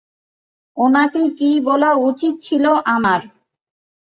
ওনাকে কী বলা উচিত ছিল আমার?